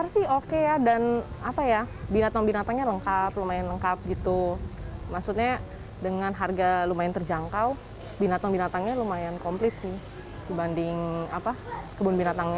semua koleksi satwa yang ada di fauna land ini menarik perhatian pengunjung